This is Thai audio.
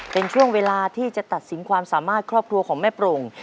เป็นช่วงเวลาที่จะตัดสินความสามารถครอบครัวของแม่โปร่ง